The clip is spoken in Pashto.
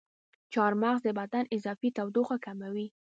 چارمغز د بدن اضافي تودوخه کموي.